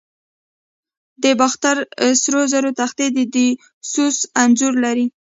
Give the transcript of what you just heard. د باختر سرو زرو تختې د دیونوسوس انځور لري